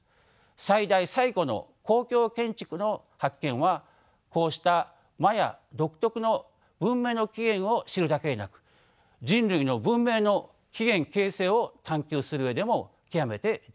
最大最古の公共建築の発見はこうしたマヤ独特の文明の起源を知るだけでなく人類の文明の起源形成を探求する上でも極めて重要です。